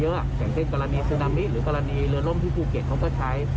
อย่างเช่นกรณีซึนามิหรือกรณีเรือล่มที่ภูเก็ตเขาก็ใช้